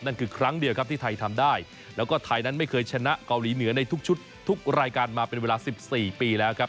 นั่นคือครั้งเดียวครับที่ไทยทำได้แล้วก็ไทยนั้นไม่เคยชนะเกาหลีเหนือในทุกชุดทุกรายการมาเป็นเวลา๑๔ปีแล้วครับ